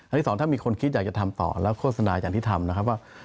ที่สองถ้ามีคนคิดอยากจะทำต่อแล้วโฆษณาอย่างที่ทำนะครับว่า